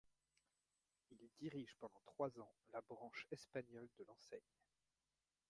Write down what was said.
Il dirige pendant trois ans la branche espagnole de l’enseigne.